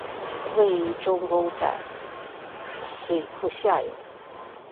位于周公宅水库下游。